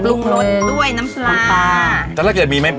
หนูหิวข้าวอ่ะตอนนี้